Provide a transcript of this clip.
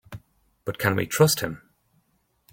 But can we trust him?